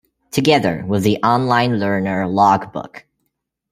Together with the online learner logbook.